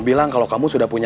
kita tunggu dan kita sambut